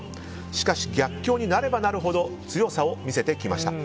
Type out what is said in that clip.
しかし、逆境になればなるほど強さを見せてきました。